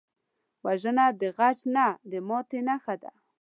وژنه د غچ نه، د ماتې نښه ده